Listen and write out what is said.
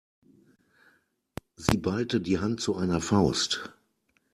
Sie ballte die Hand zu einer Faust.